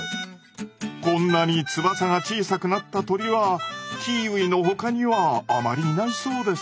こんなに翼が小さくなった鳥はキーウィの他にはあまりいないそうです。